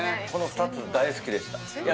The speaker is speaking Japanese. この２つ大好きでした。